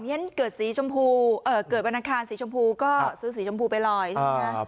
อย่างนี้เกิดวันอาคารสีชมพูก็ซื้อสีชมพูไปลอยใช่ไหมครับ